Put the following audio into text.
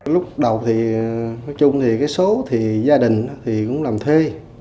lúc đầu thì số gia đình cũng làm thê